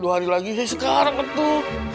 dua hari lagi sih sekarang tuh